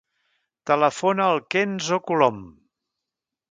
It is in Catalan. Telefona al Kenzo Colom.